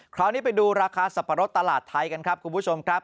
คราวนี้ไปดูราคาสับปะรดตลาดไทยกันครับคุณผู้ชมครับ